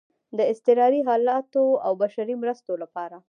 د اضطراري حالاتو او بشري مرستو لپاره